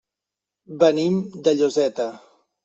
Venim de Lloseta.